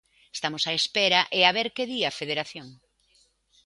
Estamos á espera e a ver que di a Federación.